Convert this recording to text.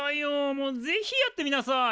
もうぜひやってみなさい。